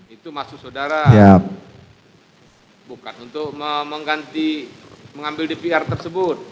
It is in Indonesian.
itu maksud saudara bukan untuk mengganti mengambil dvr tersebut